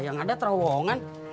yang ada terowongan